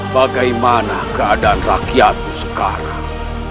bagaimana keadaan rakyatku sekarang